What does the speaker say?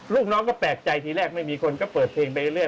ลูกน้องก็แปลกใจทีแรกไม่มีคนก็เปิดเพลงไปเรื่อย